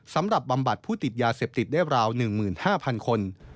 บำบัดผู้ติดยาเสพติดได้ราว๑๕๐๐คน